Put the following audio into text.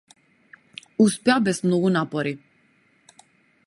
Успеа без многу напори.